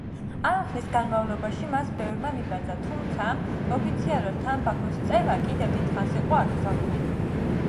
ამ ხნის განმავლობაში მას ბევრმა მიბაძა, თუმცა ოფიციალურად თამბაქოს წევა კიდევ დიდხანს იყო აკრძალული.